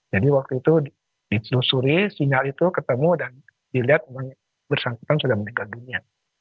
jadi waktu itu disusuri sinyal itu ketemu dan dilihat bersangkutan sudah meninggal dunia